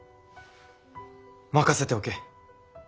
任せておけ。